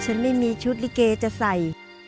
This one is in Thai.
ฉันไม่มีชุดลิเกจะใส่